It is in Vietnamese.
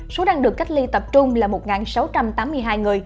số đang được cách ly tập trung là một sáu trăm tám mươi hai người